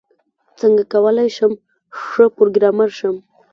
څنګه کولاي شم ښه پروګرامر شم؟